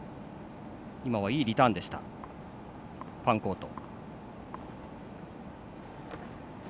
今は、いいリターンでしたファンコート。